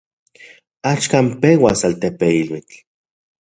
Axkan peuas altepeiluitl.